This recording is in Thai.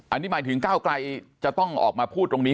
อันนี้หมายถึงก้าวไกลจะต้องออกมาพูดตรงนี้